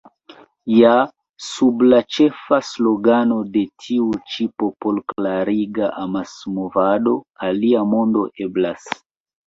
Ja sub la ĉefa slogano de tiu ĉi popolkleriga amasmovado Alia mondo eblas!